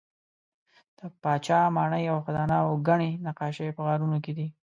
د پاچا ماڼۍ او خزانه او ګڼې نقاشۍ په غارونو کې دي.